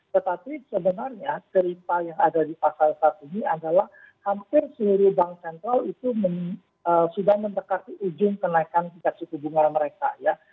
tetapi sebenarnya cerita yang ada di pasar saat ini adalah hampir seluruh bank sentral itu sudah mendekati ujung kenaikan tingkat suku bunga mereka ya